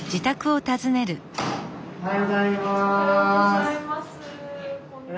おはようございます。